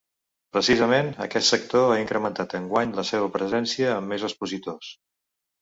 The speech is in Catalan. Precisament, aquest sector ha incrementat enguany la seva presència amb més expositors.